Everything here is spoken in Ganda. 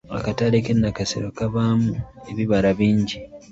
Akatale k’e Nakasero kabaamu ebibala bingi.